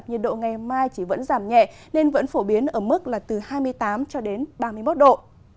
nhiệt độ ngày mai chỉ vẫn giảm nhẹ nên vẫn phổ biến ở mức là từ hai mươi tám cho đến ba mươi một độ